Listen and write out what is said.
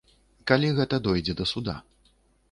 Калі гэта дойдзе да суда.